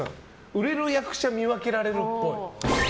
売れる役者見分けられるっぽい。